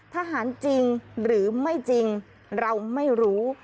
ทหารจริงหรือไม่จริงเราไม่รู้